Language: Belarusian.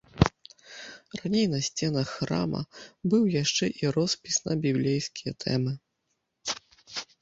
Раней на сценах храма быў яшчэ і роспіс на біблейскія тэмы.